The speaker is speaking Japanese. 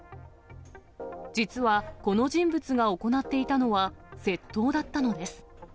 実は、この人物が行っていたのは、窃盗だったのです。